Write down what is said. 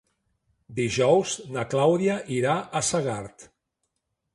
Dijous na Clàudia irà a Segart.